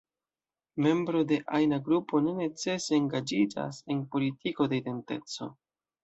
Membro de ajna grupo ne necese engaĝiĝas en politiko de identeco.